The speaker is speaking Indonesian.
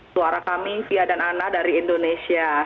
suara kami fia dan ana dari indonesia